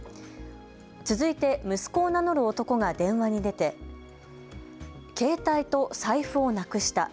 続いて息子を名乗る男が電話に出て携帯と財布をなくした。